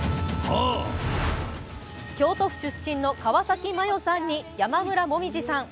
京都府出身の川崎麻世さんに山村紅葉さん。